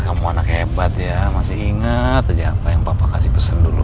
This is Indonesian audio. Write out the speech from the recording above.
kamu anaknya hebat ya masih ingat aja apa yang bapak kasih pesen dulu